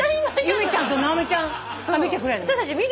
由美ちゃんと直美ちゃんが見てくれんの？